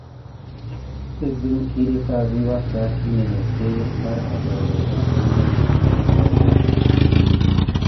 Əzəm kiy ɗəfa vi agra ki ninegué bar adaora aka holokum bo dariyaku.